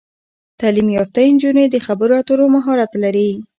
تعلیم یافته نجونې د خبرو اترو مهارت لري.